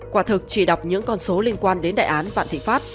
quả thực chỉ đọc những con số liên quan đến đại án vạn thị pháp